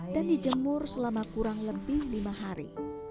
dan dijemur selama kurang lebih lima hari